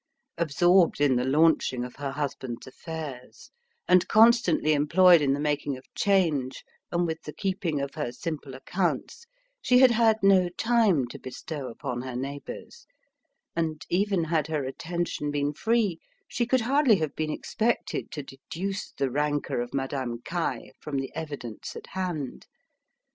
Absorbed in the launching of her husband's affairs, and constantly employed in the making of change and with the keeping of her simple accounts, she had had no time to bestow upon her neighbours, and, even had her attention been free, she could hardly have been expected to deduce the rancour of Madame Caille from the evidence at hand.